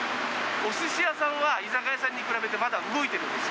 おすし屋さんは居酒屋さんに比べてまだ動いてるんですよ。